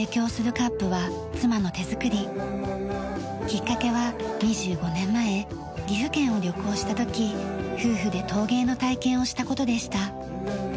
きっかけは２５年前岐阜県を旅行した時夫婦で陶芸の体験をした事でした。